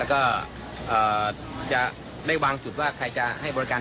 แล้วก็จะได้วางจุดว่าใครจะให้บริการ